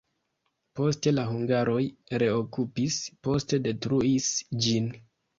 Poste la hungaroj reokupis, poste detruis ĝin.